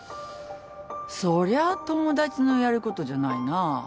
そりゃ友達のやることじゃないな。